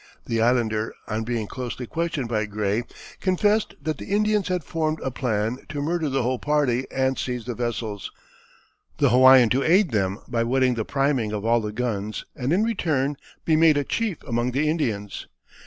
The Islander on being closely questioned by Gray confessed that the Indians had formed a plan to murder the whole party and seize the vessels, the Hawaiian to aid them by wetting the priming of all the guns, and in return be made a chief among the Indians.